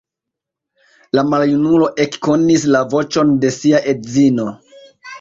La maljunulo ekkonis la voĉon de sia edzino.